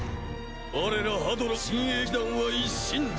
我らハドラー親衛騎団は一心同体。